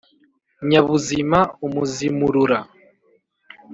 nyabuzima, umuzimurura